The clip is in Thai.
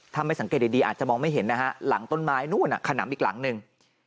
ถ้าไม่สังเกตดีอาจจะมองไม่เห็นนะฮะหลังต้นไม้นู่นขนำอีกหลังหนึ่ง